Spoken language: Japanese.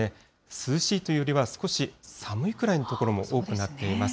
涼しいというよりは少し寒いぐらいの所も多くなっています。